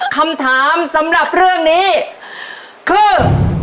คำถามสำหรับเรื่องนี้คือ